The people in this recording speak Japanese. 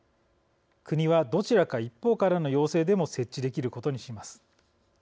国はどちらか一方からの要請でも設置できることにします。